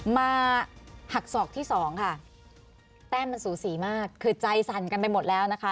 มาหักศอกที่สองค่ะแต้มมันสูสีมากคือใจสั่นกันไปหมดแล้วนะคะ